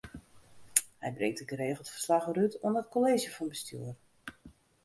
Hy bringt dêr geregeld ferslach oer út oan it Kolleezje fan Bestjoer.